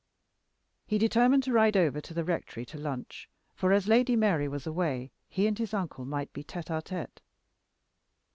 He determined to ride over to the rectory to lunch; for as Lady Mary was away, he and his uncle might be tête á tête.